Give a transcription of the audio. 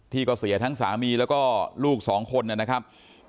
ที่ก็เสียทั้งสามีแล้วก็ลูกสองคนนะครับ